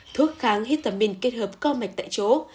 thuốc kháng histamine kết hợp co mạch tại chỗ